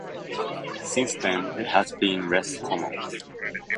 Since then it has been less common.